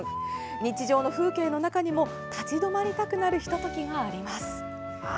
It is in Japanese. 日常の風景の中にも立ち止まりたくなるひと時があります。